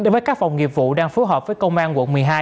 với các phòng nghiệp vụ đang phối hợp với công an quận một mươi hai